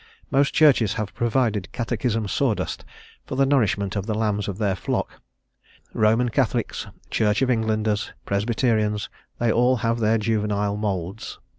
Most churches have provided catechism sawdust for the nourishment of the lambs of their flock; Roman Catholics, Church of Englanders, Presbyterians, they have all their juvenile moulds.